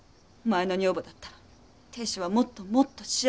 前の女房だったら亭主はもっともっと幸せになれた。